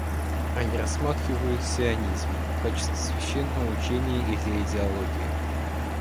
Они рассматривают сионизм в качестве священного учения или идеологии.